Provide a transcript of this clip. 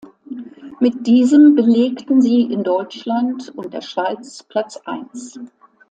Mit diesem belegten sie in Deutschland und der Schweiz Platz eins.